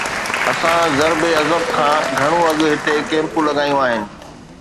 اسان ضرب عضب کان گهڻو اڳ هتي ڪيمپون لڳايون آهن.